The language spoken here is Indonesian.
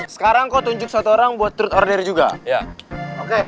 sekarang kau tunjuk satu orang buat order juga ya oke